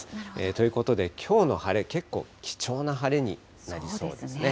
ということできょうの晴れ、結構貴重な晴れになりそうですね。